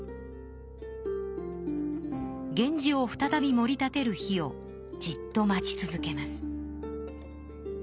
源氏を再びもり立てる日をじっと待ち続けます。